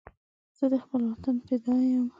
زه د خپل وطن فدا یم